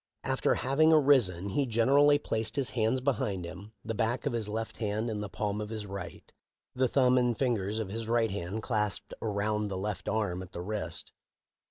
After having arisen, he generally placed his hands behind him, the back of his left hand in the palm of his right, the thumb and fingers of his right hand clasped around the left arm at the wrist.